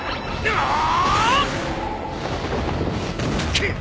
くっ。